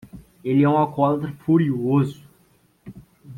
Ele é um alcoólatra furioso.